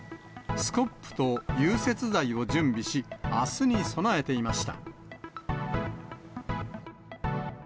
スコップと融雪剤を準備し、あすに備えていました。